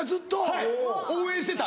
はい応援してた！